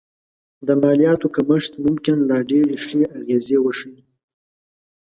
د مالیاتو کمښت ممکن لا ډېرې ښې اغېزې وښيي